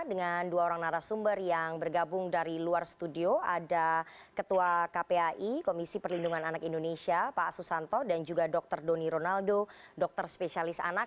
dengan dua orang narasumber yang bergabung dari luar studio ada ketua kpai komisi perlindungan anak indonesia pak susanto dan juga dr doni ronaldo dokter spesialis anak